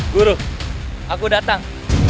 guru aku datang